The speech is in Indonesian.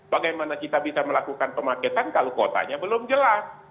bagaimana kita bisa melakukan pemaketan kalau kuotanya belum jelas